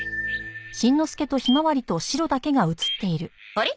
あれ？